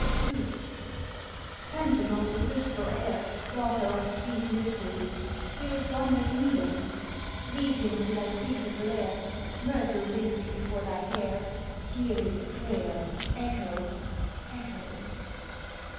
II Phantom of the crystal Air, Daughter of sweet Mystery! Here is one has need of thee; Lead him to thy secret lair, Myrtle brings he for thy hair Hear his prayer, Echo! Echo!